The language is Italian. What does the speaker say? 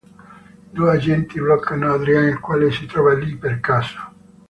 Due agenti bloccano Adrian, il quale si trova lì per caso.